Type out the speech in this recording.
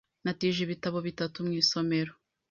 Natije ibitabo bitatu mu isomero .